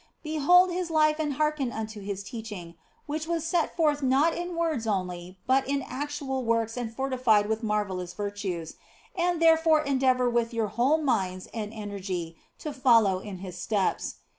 Behold His life and hearken unto His teaching, which was set forth not in words only but in actual works and fortified with marvellous virtues, and therefore endeavour with your whole minds and energy to follow in His steps.